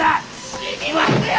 ・死にますよ！